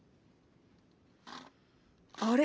あれ？